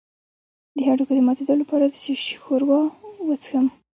د هډوکو د ماتیدو لپاره د څه شي ښوروا وڅښم؟